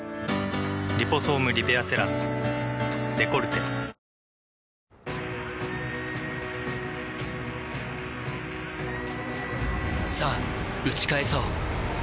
「リポソームリペアセラムデコルテ」さぁ打ち返そう